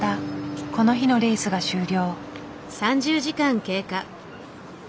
この日のレースが終了。